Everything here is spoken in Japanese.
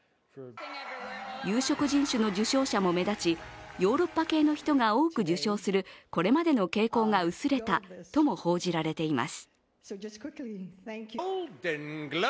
有色人種の受賞者も目立ちヨーロッパ系の人が多く受賞するこれまでの傾向が薄れたとも報じられています。